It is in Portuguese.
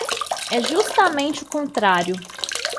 É justamente o contrário.